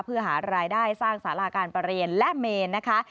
เพื่อหารายได้สร้างสาราการประเรียนและเมนนะคะ